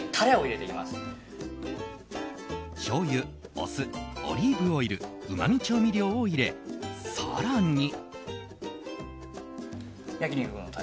しょうゆ、お酢オリーブオイルうま味調味料を入れ、更に。